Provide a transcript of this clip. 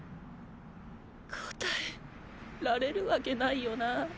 答えられるわけないよな。